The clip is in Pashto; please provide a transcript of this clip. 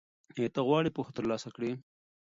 ایا ته غواړې پوهه ترلاسه کړې؟